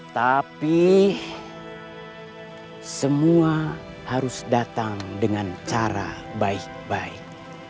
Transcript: tapi semua harus datang dengan cara baik baik